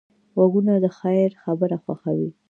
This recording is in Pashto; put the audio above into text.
غوږونه د خیر خبره خوښوي